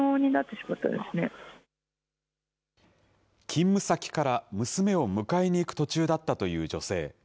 勤務先から、娘を迎えに行く途中だったという女性。